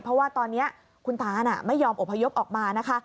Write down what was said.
เพราะว่าตอนนี้คุณตาน่ะไม่ยอมอบพยพออกมานะคะ